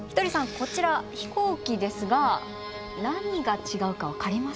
こちら飛行機ですが何が違うか分かりますか？